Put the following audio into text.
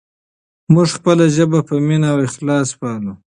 موږ خپله ژبه په مینه او اخلاص پالو.